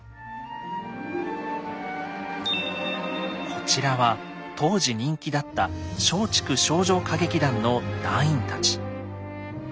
こちらは当時人気だった松竹少女歌劇団の団員たち。